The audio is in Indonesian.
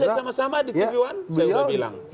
saya sama sama di tv one saya udah bilang